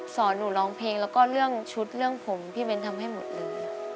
หนูร้องเพลงแล้วก็เรื่องชุดเรื่องผมพี่เบ้นทำให้หมดเลย